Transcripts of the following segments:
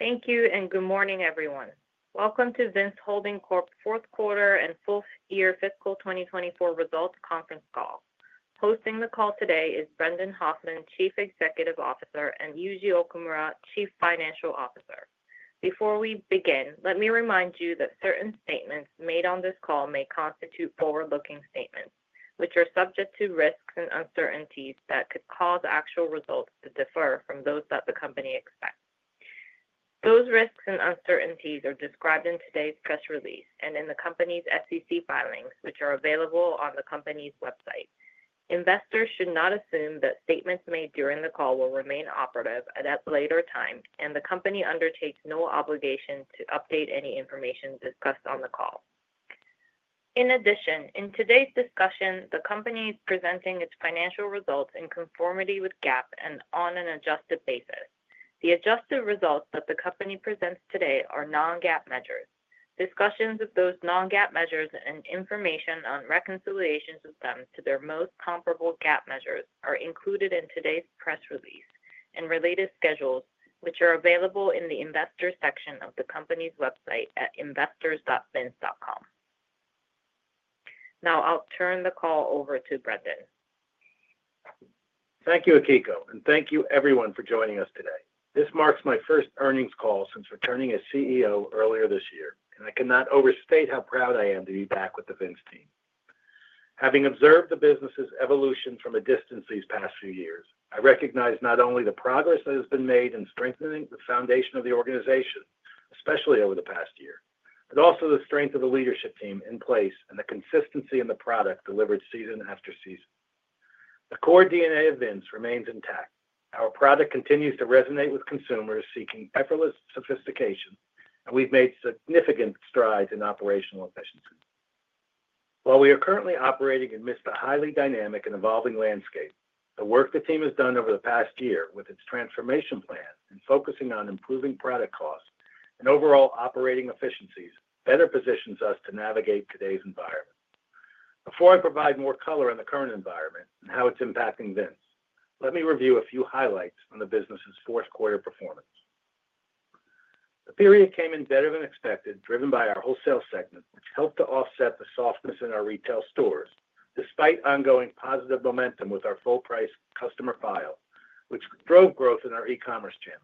Thank you, and good morning, everyone. Welcome to Vince Holding Corp. Fourth Quarter and Full Year Fiscal 2024 Results Conference Call. Hosting the call today is Brendan Hoffman, Chief Executive Officer; and Yuji Okumura, Chief Financial Officer. Before we begin, let me remind you that certain statements made on this call may constitute forward-looking statements, which are subject to risks and uncertainties that could cause actual results to differ from those that the company expects. Those risks and uncertainties are described in today's press release and in the company's SEC filings, which are available on the company's website. Investors should not assume that statements made during the call will remain operative at a later time, and the company undertakes no obligation to update any information discussed on the call. In addition, in today's discussion, the company is presenting its financial results in conformity with GAAP and on an adjusted basis. The adjusted results that the company presents today are non-GAAP measures. Discussions of those non-GAAP measures and information on reconciliations with them to their most comparable GAAP measures are included in today's press release and related schedules, which are available in the Investor section of the company's website at investors.vince.com. Now, I'll turn the call over to Brendan. Thank you, Akiko, and thank you, everyone, for joining us today. This marks my first earnings call since returning as CEO earlier this year, and I cannot overstate how proud I am to be back with the Vince team. Having observed the business's evolution from a distance these past few years, I recognize not only the progress that has been made in strengthening the foundation of the organization, especially over the past year, but also the strength of the leadership team in place and the consistency in the product delivered season after season. The core DNA of Vince remains intact. Our product continues to resonate with consumers seeking effortless sophistication, and we've made significant strides in operational efficiency. While we are currently operating amidst a highly dynamic and evolving landscape, the work the team has done over the past year with its transformation plan and focusing on improving product costs and overall operating efficiencies better positions us to navigate today's environment. Before I provide more color on the current environment and how it's impacting Vince, let me review a few highlights on the business's fourth quarter performance. The period came in better than expected, driven by our wholesale segment, which helped to offset the softness in our retail stores, despite ongoing positive momentum with our full-price customer file, which drove growth in our e-commerce channels.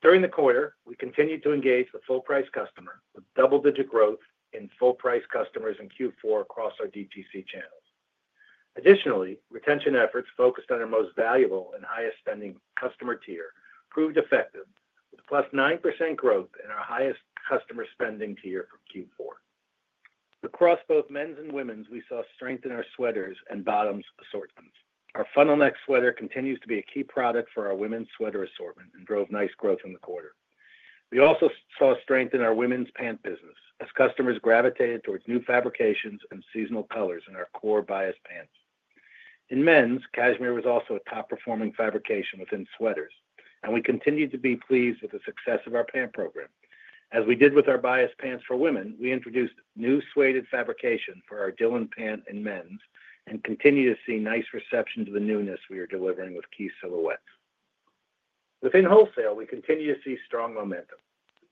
During the quarter, we continued to engage the full-price customer with double-digit growth in full-price customers in Q4 across our DTC channels. Additionally, retention efforts focused on our most valuable and highest spending customer tier proved effective, with 9%+ growth in our highest customer spending tier for Q4. Across both men's and women's, we saw strength in our sweaters and bottoms assortments. Our funnel-neck sweater continues to be a key product for our women's sweater assortment and drove nice growth in the quarter. We also saw strength in our women's pant business as customers gravitated towards new fabrications and seasonal colors in our core bias pants. In men's, cashmere was also a top-performing fabrication within sweaters, and we continued to be pleased with the success of our pant program. As we did with our bias pants for women, we introduced new sueded fabrication for our Dylan pant in men's and continue to see nice reception to the newness we are delivering with key silhouettes. Within wholesale, we continue to see strong momentum.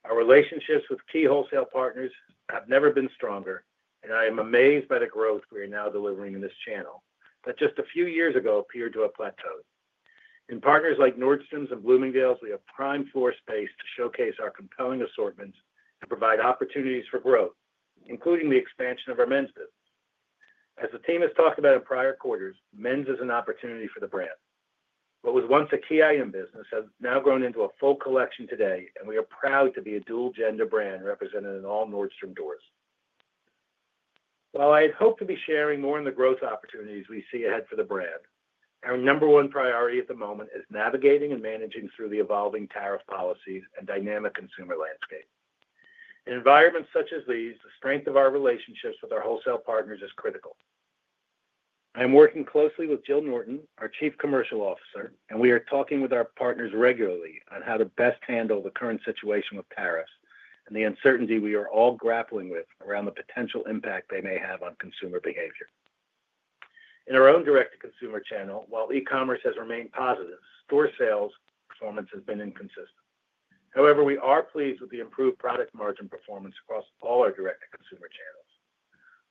Our relationships with key wholesale partners have never been stronger, and I am amazed by the growth we are now delivering in this channel that just a few years ago appeared to have plateaued. In partners like Nordstrom's and Bloomingdale's, we have prime floor space to showcase our compelling assortments and provide opportunities for growth, including the expansion of our men's business. As the team has talked about in prior quarters, men's is an opportunity for the brand. What was once a key item business has now grown into a full collection today, and we are proud to be a dual-gender brand represented at all Nordstrom doors. While I hoped to be sharing more on the growth opportunities we see ahead for the brand, our number one priority at the moment is navigating and managing through the evolving tariff policies and dynamic consumer landscape. In environments such as these, the strength of our relationships with our wholesale partners is critical. I am working closely with Jill Norton, our Chief Commercial Officer, and we are talking with our partners regularly on how to best handle the current situation with tariffs and the uncertainty we are all grappling with around the potential impact they may have on consumer behavior. In our own direct-to-consumer channel, while e-commerce has remained positive, store sales performance has been inconsistent. However, we are pleased with the improved product margin performance across all our direct-to-consumer channels.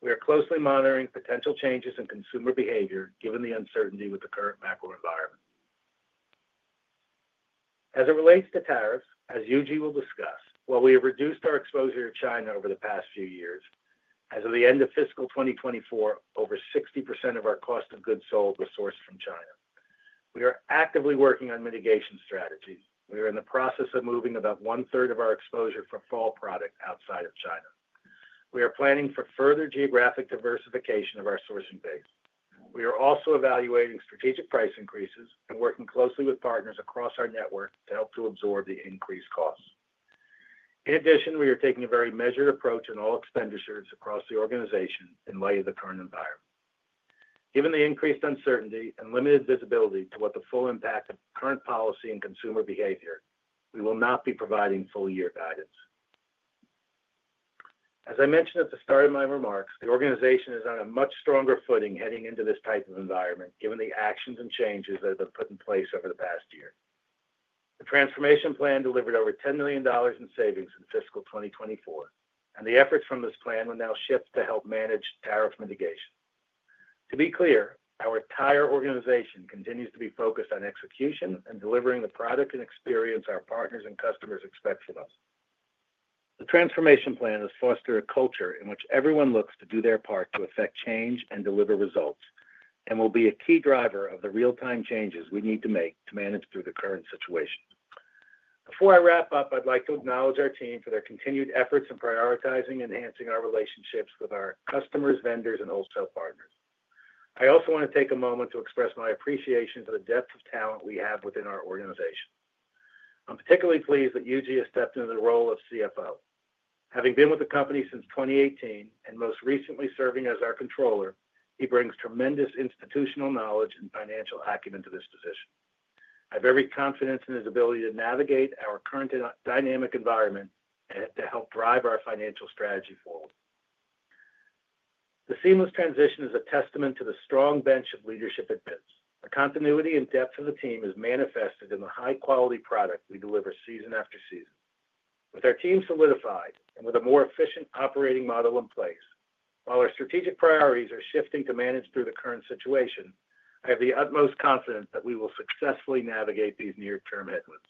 We are closely monitoring potential changes in consumer behavior given the uncertainty with the current macro environment. As it relates to tariffs, as Yuji will discuss, while we have reduced our exposure to China over the past few years, as of the end of fiscal 2024, over 60% of our cost of goods sold were sourced from China. We are actively working on mitigation strategies. We are in the process of moving about one-third of our exposure for fall product outside of China. We are planning for further geographic diversification of our sourcing base. We are also evaluating strategic price increases and working closely with partners across our network to help to absorb the increased costs. In addition, we are taking a very measured approach in all expenditures across the organization in light of the current environment. Given the increased uncertainty and limited visibility to what the full impact of current policy and consumer behavior, we will not be providing full year guidance. As I mentioned at the start of my remarks, the organization is on a much stronger footing heading into this type of environment given the actions and changes that have been put in place over the past year. The transformation plan delivered over $10 million in savings in fiscal 2024, and the efforts from this plan will now shift to help manage tariff mitigation. To be clear, our entire organization continues to be focused on execution and delivering the product and experience our partners and customers expect from us. The transformation plan has fostered a culture in which everyone looks to do their part to affect change and deliver results and will be a key driver of the real-time changes we need to make to manage through the current situation. Before I wrap up, I'd like to acknowledge our team for their continued efforts in prioritizing and enhancing our relationships with our customers, vendors, and wholesale partners. I also want to take a moment to express my appreciation for the depth of talent we have within our organization. I'm particularly pleased that Yuji has stepped into the role of CFO. Having been with the company since 2018 and most recently serving as our Controller, he brings tremendous institutional knowledge and financial acumen to this position. I have every confidence in his ability to navigate our current dynamic environment and to help drive our financial strategy forward. The seamless transition is a testament to the strong bench of leadership at Vince. The continuity and depth of the team is manifested in the high-quality product we deliver season after season. With our team solidified and with a more efficient operating model in place, while our strategic priorities are shifting to manage through the current situation, I have the utmost confidence that we will successfully navigate these near-term headwinds.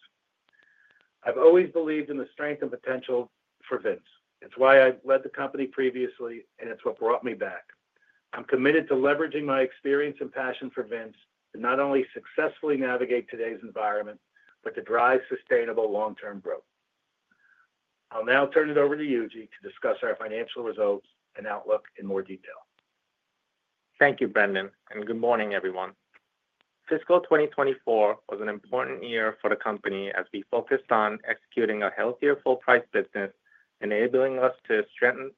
I've always believed in the strength and potential for Vince. It's why I led the company previously, and it's what brought me back. I'm committed to leveraging my experience and passion for Vince to not only successfully navigate today's environment, but to drive sustainable long-term growth. I'll now turn it over to Yuji to discuss our financial results and outlook in more detail. Thank you, Brendan, and good morning, everyone. Fiscal 2024 was an important year for the company as we focused on executing a healthier full-price business, enabling us to strengthen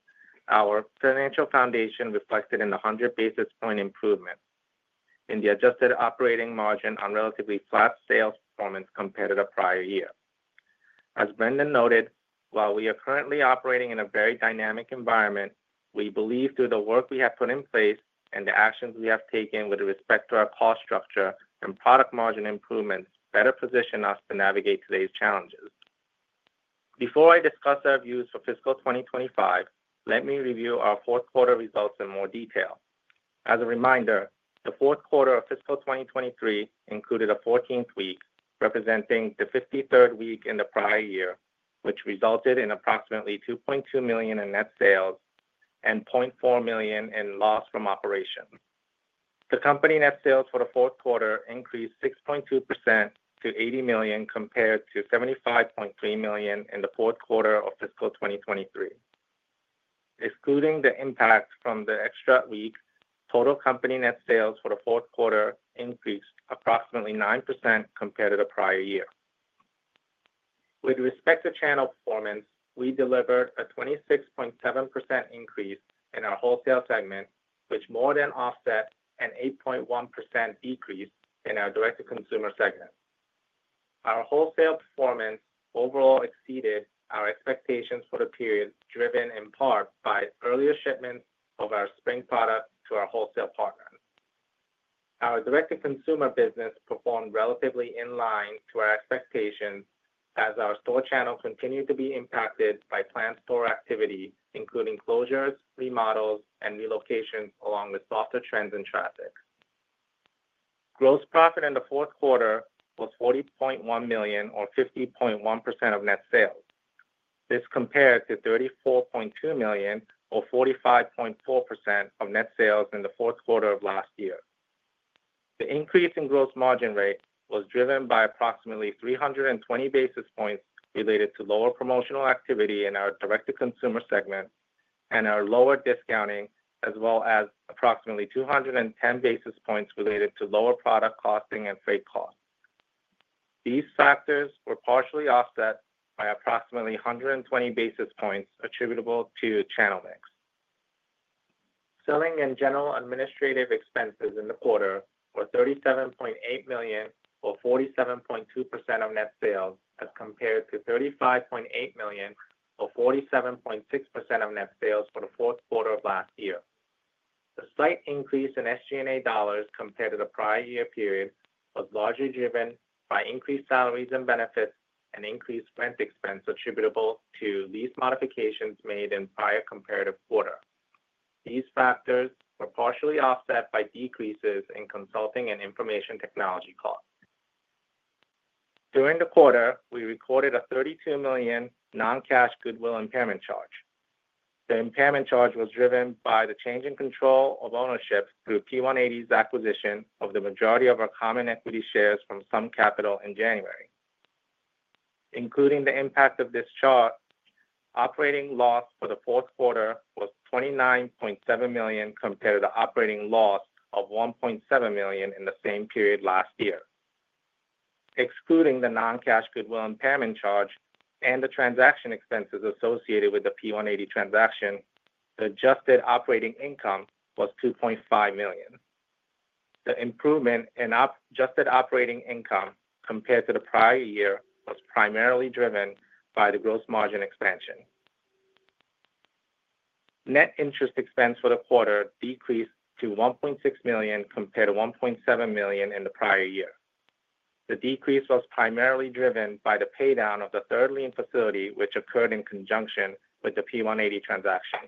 our financial foundation reflected in the 100 basis point improvement in the adjusted operating margin on relatively flat sales performance compared to the prior year. As Brendan noted, while we are currently operating in a very dynamic environment, we believe through the work we have put in place and the actions we have taken with respect to our cost structure and product margin improvements better position us to navigate today's challenges. Before I discuss our views for fiscal 2025, let me review our fourth quarter results in more detail. As a reminder, the fourth quarter of fiscal 2023 included a 14th week, representing the 53rd week in the prior year, which resulted in approximately $2.2 million in net sales and $0.4 million in loss from operations. The company net sales for the fourth quarter increased 6.2% to $80 million compared to $75.3 million in the fourth quarter of fiscal 2023. Excluding the impact from the extra week, total company net sales for the fourth quarter increased approximately 9% compared to the prior year. With respect to channel performance, we delivered a 26.7% increase in our wholesale segment, which more than offset an 8.1% decrease in our direct-to-consumer segment. Our wholesale performance overall exceeded our expectations for the period, driven in part by earlier shipments of our spring product to our wholesale partners. Our direct-to-consumer business performed relatively in line to our expectations as our store channel continued to be impacted by planned store activity, including closures, remodels, and relocations, along with softer trends in traffic. Gross profit in the fourth quarter was $40.1 million, or 50.1% of net sales. This compared to $34.2 million, or 45.4% of net sales in the fourth quarter of last year. The increase in gross margin rate was driven by approximately 320 basis points related to lower promotional activity in our direct-to-consumer segment and our lower discounting, as well as approximately 210 basis points related to lower product costing and freight costs. These factors were partially offset by approximately 120 basis points attributable to channel mix. Selling and general administrative expenses in the quarter were $37.8 million, or 47.2% of net sales, as compared to $35.8 million, or 47.6% of net sales for the fourth quarter of last year. The slight increase in SG&A dollars compared to the prior year period was largely driven by increased salaries and benefits and increased rent expense attributable to lease modifications made in prior comparative quarter. These factors were partially offset by decreases in consulting and information technology costs. During the quarter, we recorded a $32 million non-cash goodwill impairment charge. The impairment charge was driven by the change in control of ownership through P180's acquisition of the majority of our common equity shares from Sun Capital in January. Including the impact of this charge, operating loss for the fourth quarter was $29.7 million compared to the operating loss of $1.7 million in the same period last year. Excluding the non-cash goodwill impairment charge and the transaction expenses associated with the P180 transaction, the adjusted operating income was $2.5 million. The improvement in adjusted operating income compared to the prior year was primarily driven by the gross margin expansion. Net interest expense for the quarter decreased to $1.6 million compared to $1.7 million in the prior year. The decrease was primarily driven by the paydown of the third lien facility, which occurred in conjunction with the P180 transaction.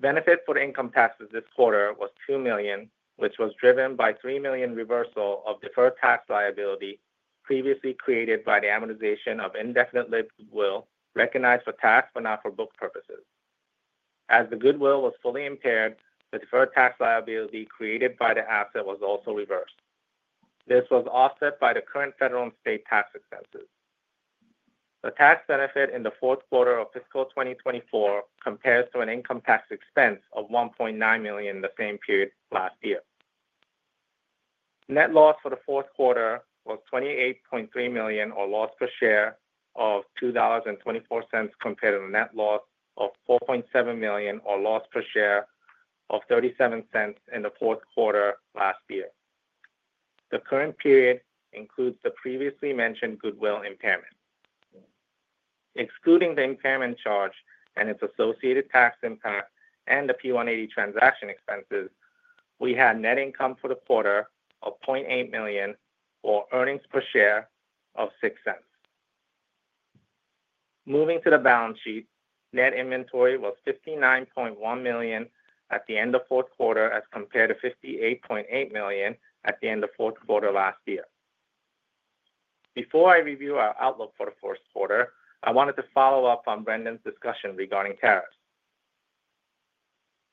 Benefit for income taxes this quarter was $2 million, which was driven by $3 million reversal of deferred tax liability previously created by the amortization of indefinite goodwill recognized for tax but not for book purposes. As the goodwill was fully impaired, the deferred tax liability created by the asset was also reversed. This was offset by the current federal and state tax expenses. The tax benefit in the fourth quarter of fiscal 2024 compares to an income tax expense of $1.9 million in the same period last year. Net loss for the fourth quarter was $28.3 million, or loss per share of $2.24, compared to the net loss of $4.7 million, or loss per share of $0.37 in the fourth quarter last year. The current period includes the previously mentioned goodwill impairment. Excluding the impairment charge and its associated tax impact and the P180 transaction expenses, we had net income for the quarter of $0.8 million, or earnings per share of $0.06. Moving to the balance sheet, net inventory was $59.1 million at the end of fourth quarter as compared to $58.8 million at the end of fourth quarter last year. Before I review our outlook for the fourth quarter, I wanted to follow up on Brendan's discussion regarding tariffs.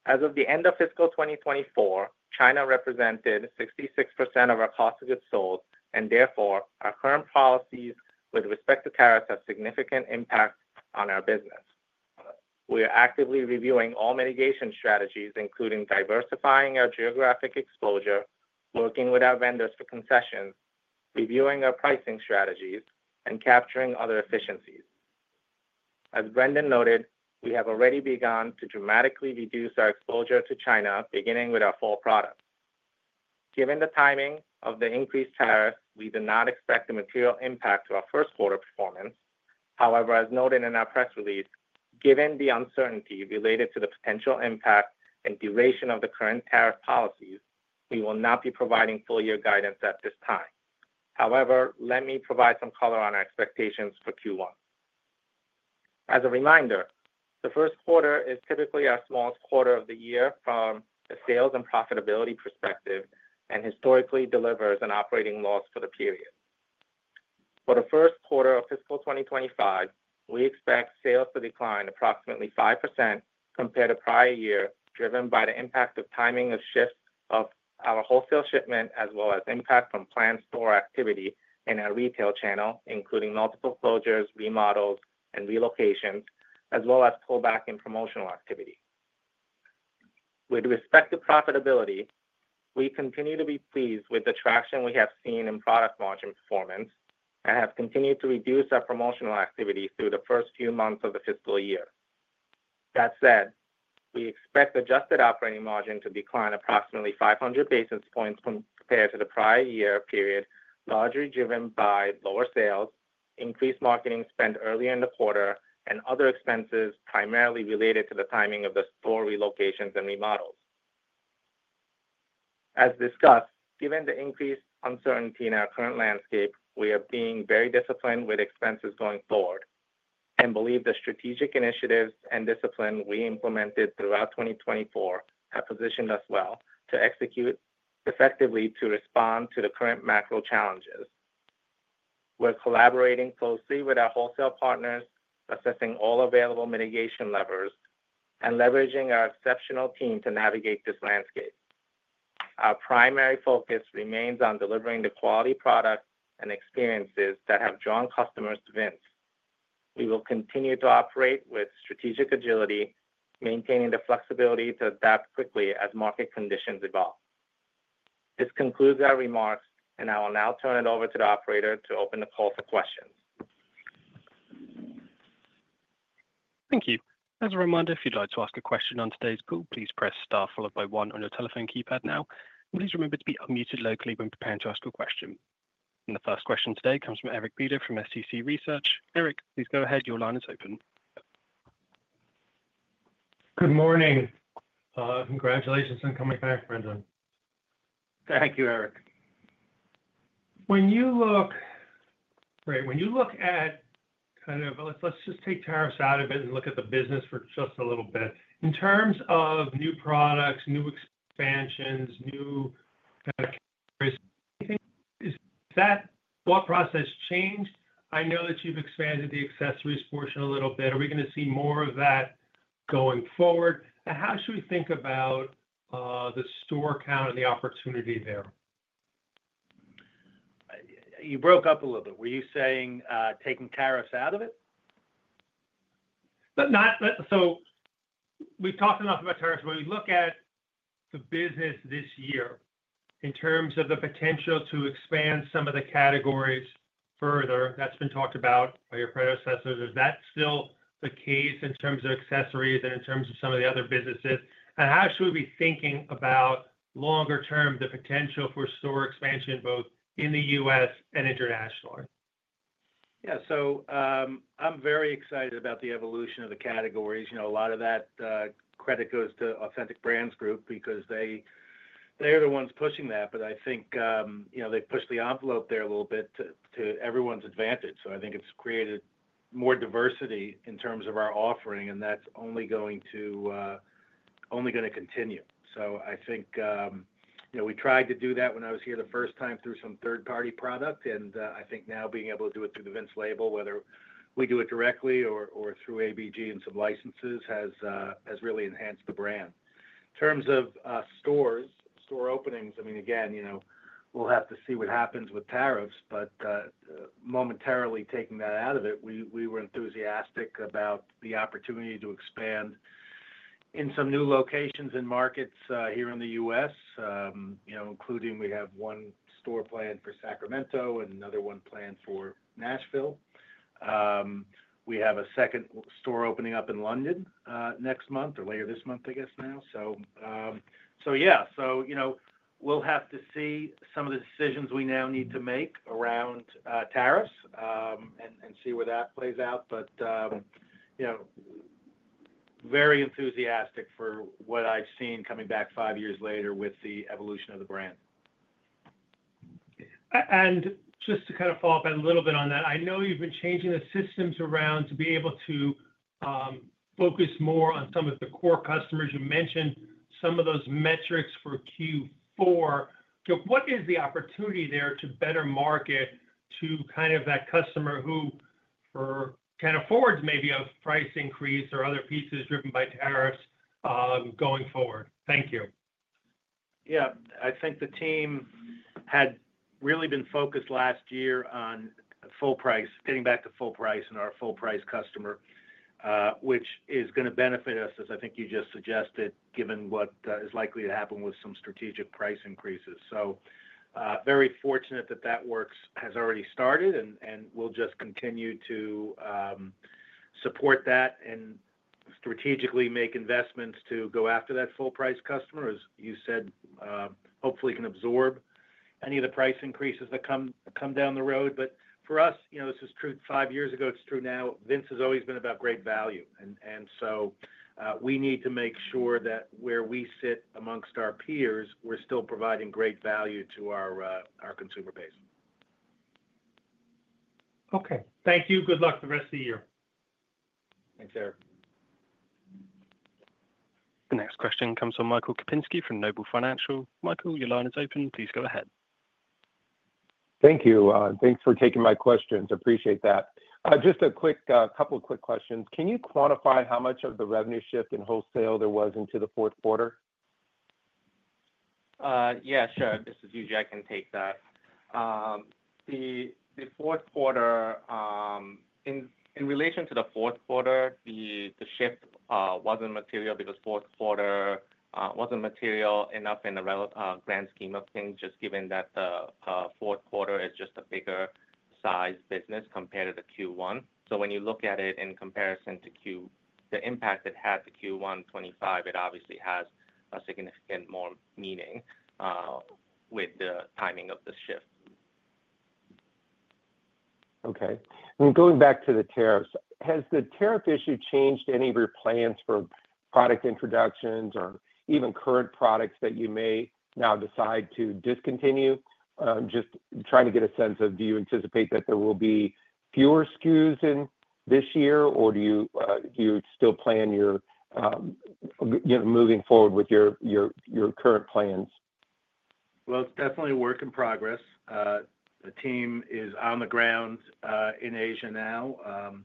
As of the end of fiscal 2024, China represented 66% of our cost of goods sold and, therefore, our current policies with respect to tariffs have significant impact on our business. We are actively reviewing all mitigation strategies, including diversifying our geographic exposure, working with our vendors for concessions, reviewing our pricing strategies, and capturing other efficiencies. As Brendan noted, we have already begun to dramatically reduce our exposure to China, beginning with our fall product. Given the timing of the increased tariffs, we do not expect a material impact to our first quarter performance. However, as noted in our press release, given the uncertainty related to the potential impact and duration of the current tariff policies, we will not be providing full year guidance at this time. However, let me provide some color on our expectations for Q1. As a reminder, the first quarter is typically our smallest quarter of the year from a sales and profitability perspective and historically delivers an operating loss for the period. For the first quarter of fiscal 2025, we expect sales to decline approximately 5% compared to prior year, driven by the impact of timing of shifts of our wholesale shipment, as well as impact from planned store activity in our retail channel, including multiple closures, remodels, and relocations, as well as pullback in promotional activity. With respect to profitability, we continue to be pleased with the traction we have seen in product margin performance and have continued to reduce our promotional activity through the first few months of the fiscal year. That said, we expect adjusted operating margin to decline approximately 500 basis points compared to the prior year period, largely driven by lower sales, increased marketing spend earlier in the quarter, and other expenses primarily related to the timing of the store relocations and remodels. As discussed, given the increased uncertainty in our current landscape, we are being very disciplined with expenses going forward and believe the strategic initiatives and discipline we implemented throughout 2024 have positioned us well to execute effectively to respond to the current macro challenges. We're collaborating closely with our wholesale partners, assessing all available mitigation levers, and leveraging our exceptional team to navigate this landscape. Our primary focus remains on delivering the quality products and experiences that have drawn customers to Vince. We will continue to operate with strategic agility, maintaining the flexibility to adapt quickly as market conditions evolve. This concludes our remarks, and I will now turn it over to the operator to open the call for questions. Thank you. As a reminder, if you'd like to ask a question on today's call, please press star followed by one on your telephone keypad now. Please remember to be unmuted locally when preparing to ask a question. The first question today comes from Eric Beder from SCC Research. Eric, please go ahead. Your line is open. Good morning. Congratulations on coming back, Brendan. Thank you, Eric. When you look, right, when you look at kind of, let's just take tariffs out of it and look at the business for just a little bit. In terms of new products, new expansions, new categories, anything? Is that thought process changed? I know that you've expanded the accessories portion a little bit. Are we going to see more of that going forward? How should we think about the store count and the opportunity there? You broke up a little bit. Were you saying taking tariffs out of it? We have talked enough about tariffs. When we look at the business this year, in terms of the potential to expand some of the categories further, that has been talked about by your predecessors. Is that still the case in terms of accessories and in terms of some of the other businesses? How should we be thinking about longer term, the potential for store expansion, both in the U.S. and internationally? Yeah. I'm very excited about the evolution of the categories. A lot of that credit goes to Authentic Brands Group because they are the ones pushing that. I think they pushed the envelope there a little bit to everyone's advantage. I think it's created more diversity in terms of our offering, and that's only going to continue. I think we tried to do that when I was here the first time through some third-party product. I think now being able to do it through the Vince label, whether we do it directly or through ABG and some licenses, has really enhanced the brand. In terms of stores, store openings, I mean, again, we'll have to see what happens with tariffs. Momentarily taking that out of it, we were enthusiastic about the opportunity to expand in some new locations and markets here in the U.S., including we have one store planned for Sacramento and another one planned for Nashville. We have a second store opening up in London next month or later this month, I guess now. Yeah. We'll have to see some of the decisions we now need to make around tariffs and see where that plays out. Very enthusiastic for what I've seen coming back five years later with the evolution of the brand. Just to kind of follow up a little bit on that, I know you've been changing the systems around to be able to focus more on some of the core customers. You mentioned some of those metrics for Q4. What is the opportunity there to better market to kind of that customer who kind of forwards maybe a price increase or other pieces driven by tariffs going forward? Thank you. Yeah. I think the team had really been focused last year on full price, getting back to full price and our full price customer, which is going to benefit us, as I think you just suggested, given what is likely to happen with some strategic price increases. Very fortunate that that work has already started, and we'll just continue to support that and strategically make investments to go after that full price customer, as you said, hopefully can absorb any of the price increases that come down the road. For us, this was true five years ago. It's true now. Vince has always been about great value. We need to make sure that where we sit amongst our peers, we're still providing great value to our consumer base. Okay. Thank you. Good luck the rest of the year. Thanks, Eric. The next question comes from Michael Kupinski from Noble Financial. Michael, your line is open. Please go ahead. Thank you. Thanks for taking my questions. Appreciate that. Just a couple of quick questions. Can you quantify how much of the revenue shift in wholesale there was into the fourth quarter? Yeah, sure. This is Yuji. I can take that. In relation to the fourth quarter, the shift was not material because fourth quarter was not material enough in the grand scheme of things, just given that the fourth quarter is just a bigger size business compared to the Q1. When you look at it in comparison to the impact it had to Q1 2025, it obviously has a significant more meaning with the timing of the shift. Okay. Going back to the tariffs, has the tariff issue changed any of your plans for product introductions or even current products that you may now decide to discontinue? Just trying to get a sense of, do you anticipate that there will be fewer SKUs in this year, or do you still plan your moving forward with your current plans? It is definitely a work in progress. The team is on the ground in Asia now,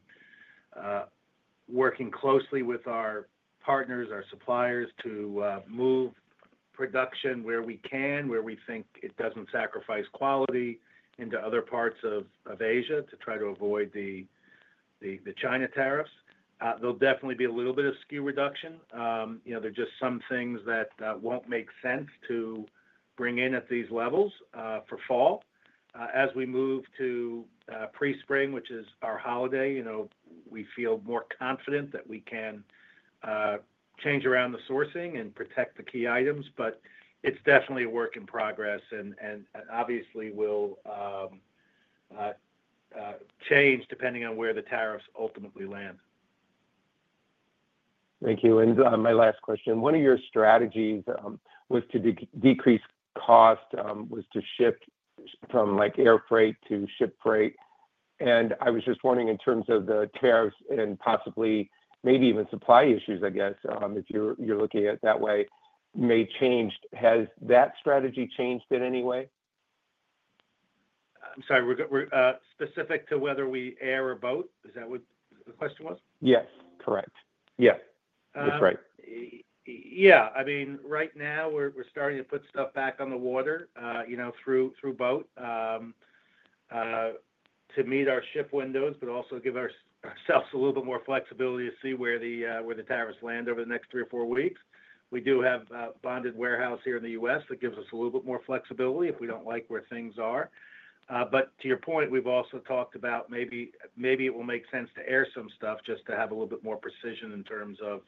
working closely with our partners, our suppliers to move production where we can, where we think it does not sacrifice quality into other parts of Asia to try to avoid the China tariffs. There will definitely be a little bit of SKU reduction. There are just some things that will not make sense to bring in at these levels for fall. As we move to pre-spring, which is our holiday, we feel more confident that we can change around the sourcing and protect the key items. It is definitely a work in progress and obviously will change depending on where the tariffs ultimately land. Thank you. My last question, one of your strategies was to decrease cost, was to shift from air freight to ship freight. I was just wondering in terms of the tariffs and possibly maybe even supply issues, I guess, if you're looking at it that way, may change. Has that strategy changed in any way? I'm sorry, specific to whether we air or boat, is that what the question was? Yes. Correct. Yes. That's right. Yeah. I mean, right now we're starting to put stuff back on the water through boat to meet our ship windows, but also give ourselves a little bit more flexibility to see where the tariffs land over the next three or four weeks. We do have a bonded warehouse here in the U.S. that gives us a little bit more flexibility if we don't like where things are. To your point, we've also talked about maybe it will make sense to air some stuff just to have a little bit more precision in terms of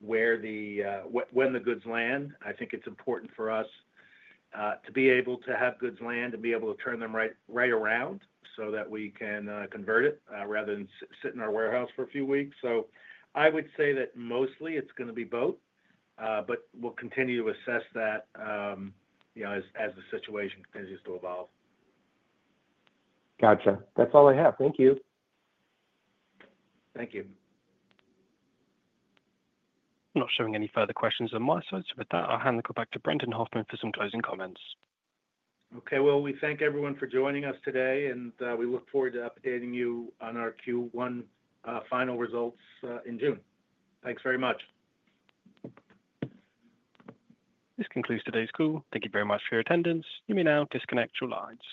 when the goods land. I think it's important for us to be able to have goods land and be able to turn them right around so that we can convert it rather than sit in our warehouse for a few weeks. I would say that mostly it's going to be boat, but we'll continue to assess that as the situation continues to evolve. Gotcha. That's all I have. Thank you. Thank you. Not showing any further questions on my side. With that, I'll hand the call back to Brendan Hoffman for some closing comments. Okay. We thank everyone for joining us today, and we look forward to updating you on our Q1 final results in June. Thanks very much. This concludes today's call. Thank you very much for your attendance. You may now disconnect your lines.